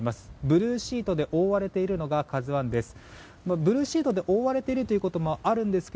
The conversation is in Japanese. ブルーシートで覆われているのが「ＫＡＺＵ１」です。